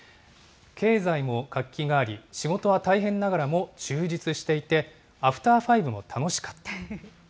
経済も活気があり、仕事は大変ながらも充実していて、アフターファイブも楽しかった。